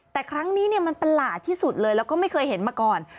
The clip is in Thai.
แต่ครั้งนี้มันประหลาดที่สุดเลยแล้วก็ไม่เคยเห็นมาก่อน